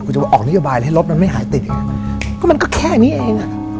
กูจะออกนิทยาบายแล้วให้รถมันไม่หายติดไงก็มันก็แค่อย่างนี้เองอ่ะ